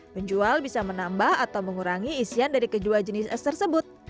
penjual bisa menambah atau mengurangi isian dari kedua jenis es tersebut